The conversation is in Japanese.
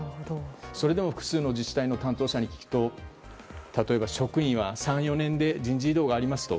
それでも複数の自治体の担当者に聞くと職員は３４年で人事異動がありますと。